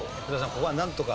ここはなんとか。